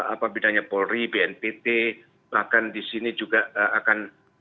apa bidangnya polri bnpt bahkan di sini juga akan